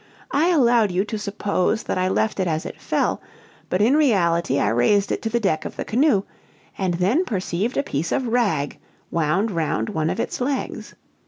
I allowed you to suppose that I left it as it fell, but in reality I raised it to the deck of the canoe, and then perceived a piece of rag wound round one of its legs.